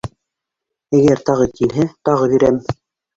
Әгәр тағы килһә, тағы бирәм!